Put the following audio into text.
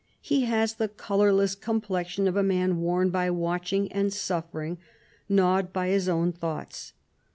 He has the colourless complexion of a man worn by watching and suffering, gnawed by his own thoughts.